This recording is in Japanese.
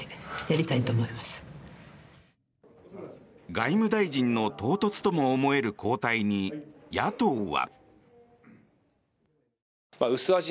外務大臣の唐突とも思える交代に野党は。